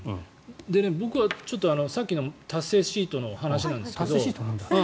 僕はちょっと、さっきの達成シートの話なんですけど。